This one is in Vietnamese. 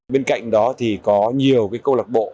bên cạnh đó thì có nhiều câu lạc bộ